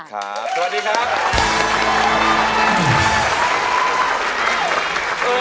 สวัสดีครับ